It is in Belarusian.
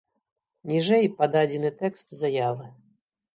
Ніжэй пададзены тэкст заявы.